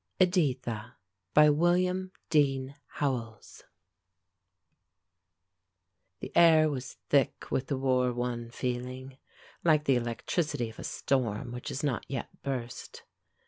Editha BY WILLIAM DEAN HOWELLS The air was thick with the war I feeling, like the electricity of a storm which has not yet burst.